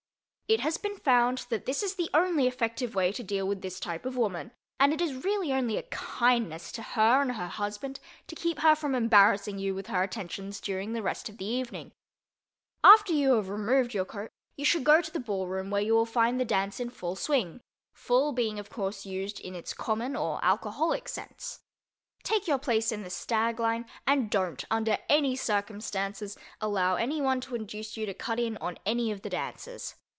It has been found that this is the only effective way to deal with this type of woman and it is really only a kindness to her and her husband to keep her from embarrassing you with her attentions during the rest of the evening. After you have removed your coat, you should go to the ball room where you will find the dance in full swing—full being of course used in its common or alcoholic sense. Take your place in the stag line and don't, under any circumstances, allow anyone to induce you to cut in on any of the dancers.